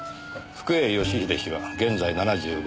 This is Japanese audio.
福栄義英氏は現在７５歳。